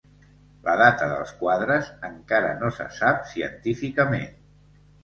La data dels quadres encara no se sap científicament.